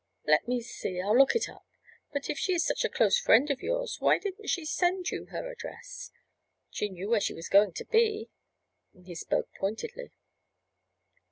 "Let me see, I'll look it up—but if she is such a close friend of yours why didn't she send you her address? She knew where she was going to be," and he spoke pointedly.